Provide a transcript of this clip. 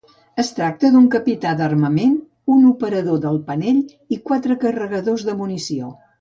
Es tracta d'un capità d'armament, un operador del panell i quatre carregadors de munició.